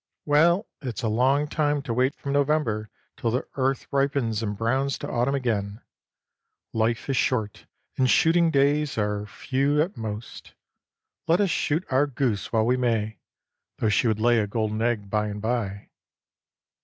"Well, it's a long time to wait from November till the earth ripens and browns to autumn again. Life is short and shooting days are few at most. Let us shoot our goose while we may, though she would lay a golden egg by and by."